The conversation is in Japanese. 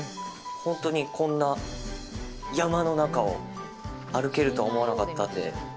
本当に、こんな山の中を歩けるとは思わなかったんで。